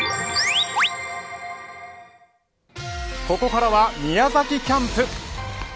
ここからは宮崎キャンプ。